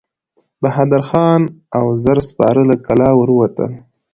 بهادر خان او زر سپاره له کلا ور ووتل.